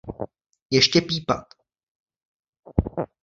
Ještě pípat!